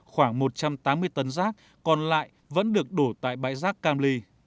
khoảng một trăm tám mươi tấn rác còn lại vẫn được đổ tại bãi rác cam ly